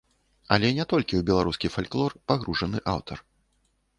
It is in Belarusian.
Але не толькі ў беларускі фальклор пагружаны аўтар.